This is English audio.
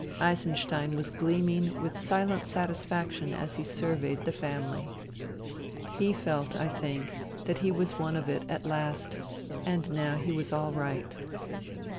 Eisenstein was gleaming with silent satisfaction as he surveyed " the family." He felt, I think, that he was one of it at last, and now he was all right.